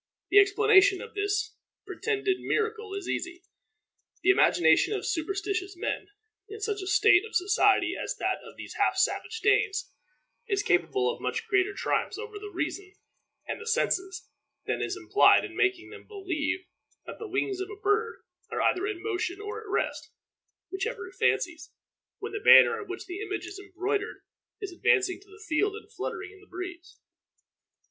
The explanation of this pretended miracle is easy. The imagination of superstitious men, in such a state of society as that of these half savage Danes, is capable of much greater triumphs over the reason and the senses than is implied in making them believe that the wings of a bird are either in motion or at rest, whichever it fancies, when the banner on which the image is embroidered is advancing to the field and fluttering in the breeze.